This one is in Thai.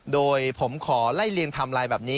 โดยผมขอไล่เลียงไทม์ไลน์แบบนี้